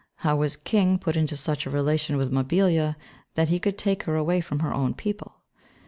How was King put into such a relation with Mabilla that he could take her away from her own people?